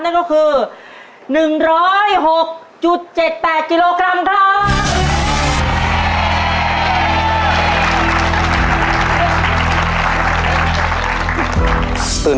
นั่นก็คือ